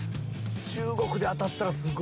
中国で当たったらすごい。